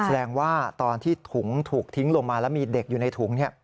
แสดงว่าตอนที่ถุงถูกทิ้งลงมาแล้วมีเด็กอยู่ในถุง